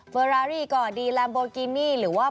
อรารี่ก่อดีแลมโบกิมี่หรือว่า